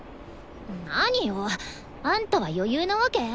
何よあんたは余裕なわけ？